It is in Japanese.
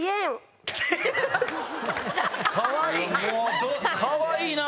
かわいい！